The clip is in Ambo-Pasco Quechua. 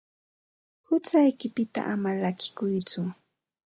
Huchaykipita ama llakikuytsu.